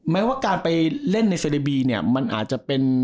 แม้ว่าการไปเล่นในเซเดบีเนี่ยมันอาจจะเป็น